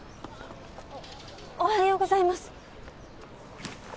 おはようございます。